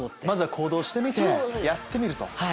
まずは行動してみてやってみると。